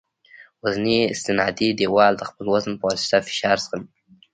وزني استنادي دیوال د خپل وزن په واسطه فشار زغمي